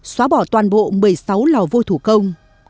xóa bỏ toàn bộ một mươi sáu lò vô thủ công